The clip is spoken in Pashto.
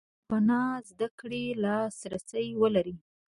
خوړو سرپناه زده کړې لاس رسي ولري.